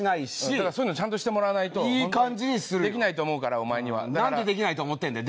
だからそういうのちゃんとしてもらわないとできないと思うからお前には。なんでできないと思ってんだよ。